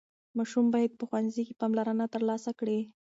ماشوم باید په ښوونځي کې پاملرنه ترلاسه کړي.